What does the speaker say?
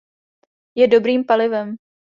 Je dobrým palivem.